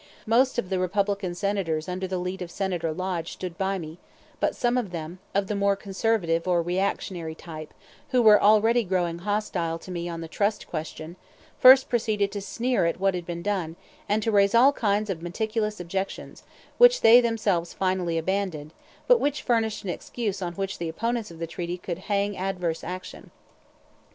Most of the Republican Senators under the lead of Senator Lodge stood by me; but some of them, of the more "conservative" or reactionary type, who were already growing hostile to me on the trust question, first proceeded to sneer at what had been done, and to raise all kinds of meticulous objections, which they themselves finally abandoned, but which furnished an excuse on which the opponents of the treaty could hang adverse action.